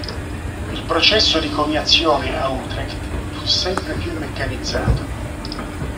Il processo di coniazione a Utrecht fu sempre più meccanizzato.